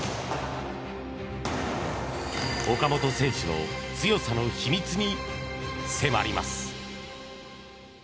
岡本選手の強さの秘密に迫ります。